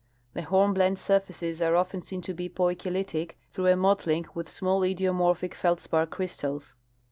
The hornblende surfaces are often seen to be poikilitic, through a mottling with small idiomorphic feldspar crystals.